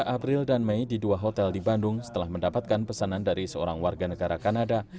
dua puluh april dan mei di dua hotel di bandung setelah mendapatkan pesanan dari seorang warga negara kanada